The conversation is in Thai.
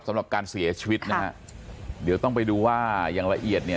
สำหรับการเสียชีวิตนะฮะเดี๋ยวต้องไปดูว่าอย่างละเอียดเนี่ย